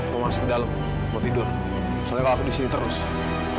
milah mau kasih tau ibu sesuatu